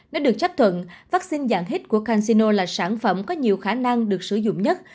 nếu được chấp thuận vaccine dạng hit của cansino là sản phẩm có nhiều khả năng được sử dụng nhất